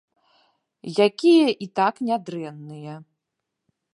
Якія і так нядрэнныя.